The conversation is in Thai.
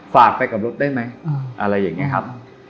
ฝากไปกับรถได้ไหมอะไรอย่างนี้ครับ